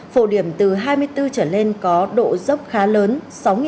phổ điểm từ hai mươi bốn trở lên có độ dốc khá lớn